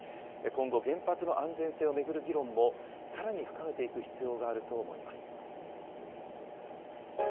今後、原発の安全性を巡る議論もさらに深めていく必要があると思います。